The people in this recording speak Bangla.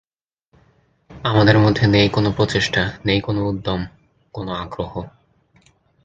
আমাদের মধ্যে নেই কোনো প্রচেষ্টা, নেই কোনো উদ্যম, কোনো আগ্রহ।